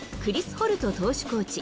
ホルト投手コーチ。